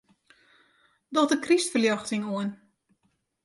Doch de krystferljochting oan.